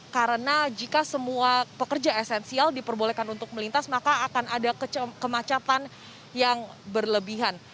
karena jika semua pekerja esensial diperbolehkan untuk melintas maka akan ada kemacatan yang berlebihan